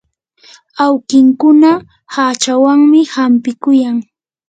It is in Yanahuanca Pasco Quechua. awkikuna hachawanmi hampikuyan.